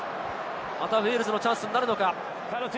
またウェールズのチャンスになるのか。